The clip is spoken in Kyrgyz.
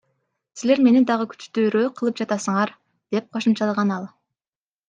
Силер мени дагы күчтүүрөөк кылып жатасыңар, — деп кошумчалаган ал.